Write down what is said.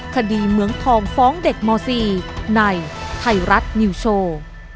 เหมืองทองฟ้องเด็กม๔ในไทยรัฐนิวโชว์